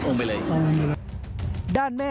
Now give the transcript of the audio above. จึงไม่ได้เอดในแม่น้ำ